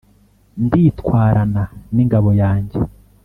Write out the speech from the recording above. Nditwarana n'ingabo yanjye